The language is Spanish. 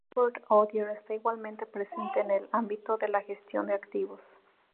Lombard Odier está igualmente presente en el ámbito de la gestión de activos.